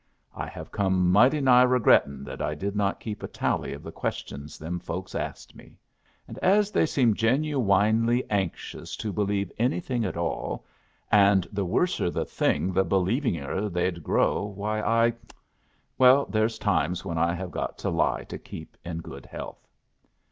I have come mighty nigh regrettin' that I did not keep a tally of the questions them folks asked me. And as they seemed genu winely anxious to believe anything at all, and the worser the thing the believinger they'd grow, why I well, there's times when I have got to lie to keep in good health.